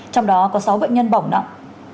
trong đó có sáu bệnh nhân bỏng nặng